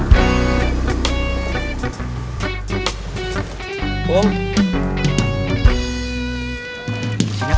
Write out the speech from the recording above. yang bisa isi mesin brillian dibawah ini